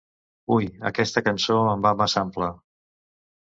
Ui, aquesta cançó em va massa ampla!